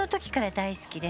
大好きです。